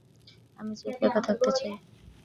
আমি স্রেফ একা থাকতে চাই।